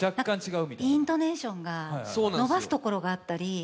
イントネーションが、伸ばすところがあったり。